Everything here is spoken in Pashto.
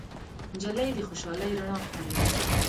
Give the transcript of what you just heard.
نجلۍ د خوشالۍ رڼا خپروي.